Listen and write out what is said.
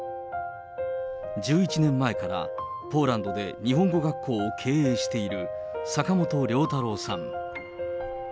１１年前から、ポーランドで日本語学校を経営している坂本龍太朗さん。